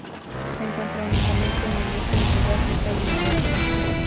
Se encuentra únicamente en el este de Sudáfrica y Lesoto.